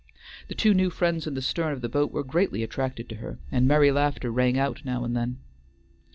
The two new friends in the stern of the boat were greatly attracted to her, and merry laughter rang out now and then.